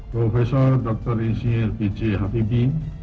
prof dr insinyir b j hafidi